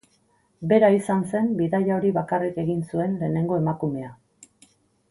Bera izan zen bidaia hori bakarrik egin zuen lehenengo emakumea.